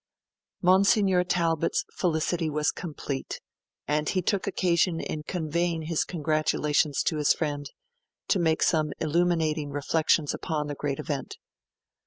Monsignor Talbot's felicity was complete; and he took occasion in conveying his congratulations to his friend, to make some illuminating reflections upon the great event.